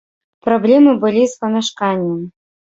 Праблемы былі з памяшканнем.